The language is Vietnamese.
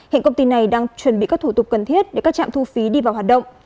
hiện công ty này đang chuẩn bị các thủ tục cần thiết để các trạm thu phí đi vào hoạt động